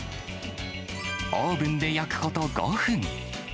オーブンで焼くこと５分。